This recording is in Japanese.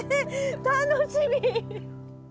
楽しみ。